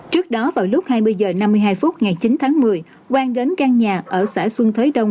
trước đó vào lúc hai mươi h năm mươi hai phút ngày chín tháng một mươi quang đến căn nhà ở xã xuân thới đông